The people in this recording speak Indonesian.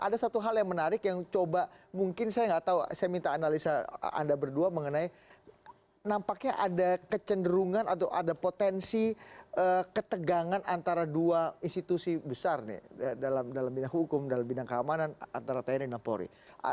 ada satu hal yang menarik yang coba mungkin saya nggak tahu saya minta analisa anda berdua mengenai nampaknya ada kecenderungan atau ada potensi ketegangan antara dua institusi besar nih dalam bidang hukum dalam bidang keamanan antara tni dan polri